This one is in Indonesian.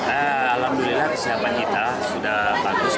alhamdulillah kesiapan kita sudah bagus